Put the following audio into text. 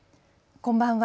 こんばんは。